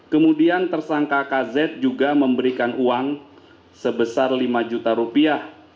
kemudian tersangka kz juga memberikan uang sebesar lima juta rupiah